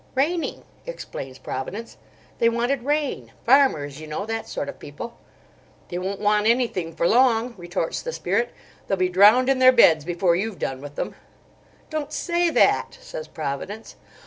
"Raining," explains Providence. "They wanted rain—farmers, you know, that sort of people." "They won't want anything for long," retorts the Spirit. "They'll be drowned in their beds before you've done with them." "Don't say that!" says Providence.